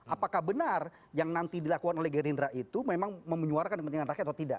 apakah benar yang nanti dilakukan oleh gerindra itu memang memunyuarakan kepentingan rakyat atau tidak